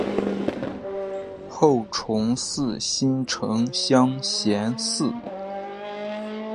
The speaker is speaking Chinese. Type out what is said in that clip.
后崇祀新城乡贤祠。